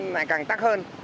nó lại càng tắc hơn